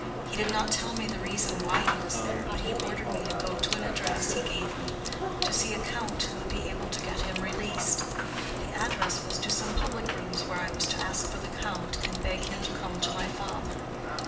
He did not tell me the reason why he was there, but he ordered me to go to an address he gave me, to see a Count who would be able to get him released. The address was to some public rooms where I was to ask for the Count, and beg him to come to my father.